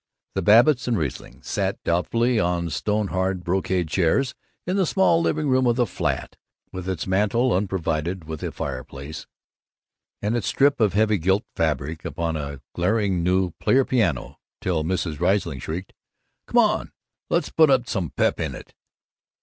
The Babbitts and Rieslings sat doubtfully on stone hard brocade chairs in the small living room of the flat, with its mantel unprovided with a fireplace, and its strip of heavy gilt fabric upon a glaring new player piano, till Mrs. Riesling shrieked, "Come on! Let's put some pep in it!